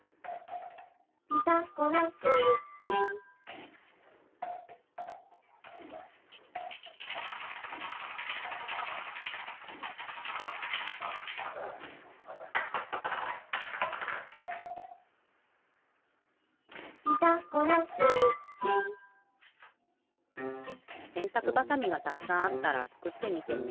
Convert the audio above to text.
「ピタゴラスイッチ」「ピタゴラスイッチ」せんたくばさみがたくさんあったらつくってみてね。